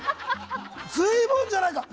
随分じゃないか！